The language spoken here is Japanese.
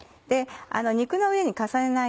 肉の上に重ねないように。